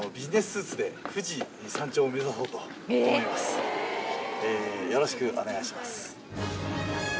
本日よろしくお願いします。